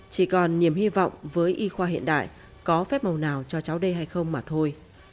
chỉ còn niềm hy vọng với y khoa hiện đại có phép màu nào cho cháu đây hay không mà thôi